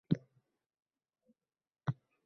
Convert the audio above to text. Xo‘jayinimning yonida bo‘laman